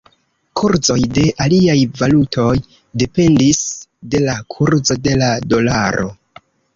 Kurzoj de aliaj valutoj dependis de la kurzo de la dolaro.